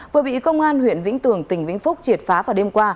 vừa bị công an huyện vĩnh tường tỉnh vĩnh phúc triệt phá vào đêm qua